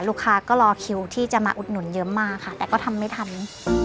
ลูกค้าก็รอคิวที่จะมาอุดหนุนเยอะมากค่ะแต่ก็ทำไม่ทัน